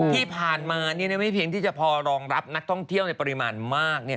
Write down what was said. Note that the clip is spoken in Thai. ที่ผ่านมาไม่เพียงที่จะพอรองรับนักท่องเที่ยวในปริมาณมาก